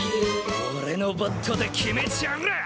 俺のバットで決めちゃる！